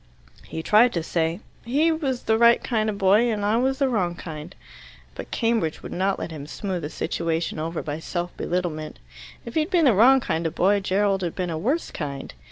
He tried to say, "He was the right kind of boy, and I was the wrong kind." But Cambridge would not let him smooth the situation over by self belittlement. If he had been the wrong kind of boy, Gerald had been a worse kind.